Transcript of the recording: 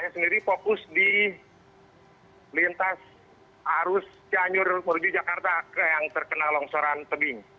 saya sendiri fokus di lintas arus cianjur menuju jakarta ke yang terkena longsoran tebing